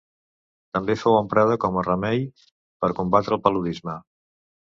També fou emprada com a remei per combatre el paludisme.